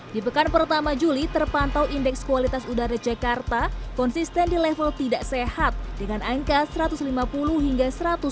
di pekan pertama juli terpantau indeks kualitas udara jakarta konsisten di level tidak sehat dengan angka satu ratus lima puluh hingga satu ratus tujuh puluh